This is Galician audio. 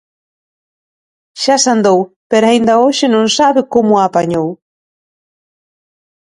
Xa sandou pero aínda hoxe non sabe como a apañou.